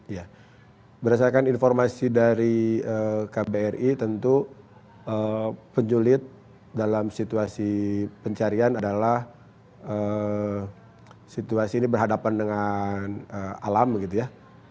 ya berdasarkan informasi dari kbri tentu penculit dalam situasi pencarian adalah situasi ini berhadapan dengan alam begitu ya